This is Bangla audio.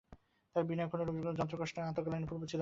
তাঁহার বিনয়ও কোনরূপ কষ্ট যন্ত্রণা বা আত্মগ্লানিপূর্ণ ছিল না।